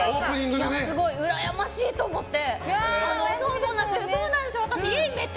すごい、うらやましいと思って。